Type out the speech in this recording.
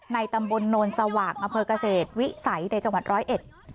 ในตำบลนวลสวากอเกษตรวิสัยในจังหวัดร้อยเอ็ด